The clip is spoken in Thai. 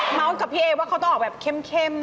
กับพี่เอว่าเขาต้องออกแบบเข้มนะ